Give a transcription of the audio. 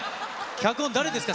脚本、誰ですか？